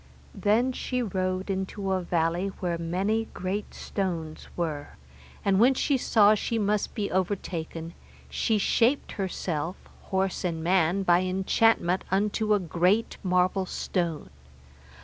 Then she rode into a valley where many great stones were, and when she saw she must be overtaken, she shaped herself, horse and man, by enchantment unto a great marble stone.